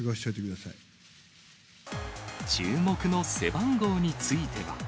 注目の背番号については。